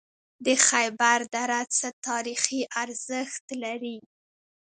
د خیبر دره څه تاریخي ارزښت لري؟